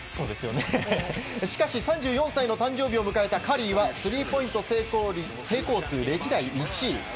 しかし、３４歳の誕生日を迎えたカリーはスリーポイント成功数歴代１位。